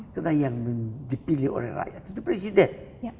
karena yang dipilih oleh rakyat itu presiden